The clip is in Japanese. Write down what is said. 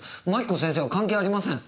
槙子先生は関係ありません。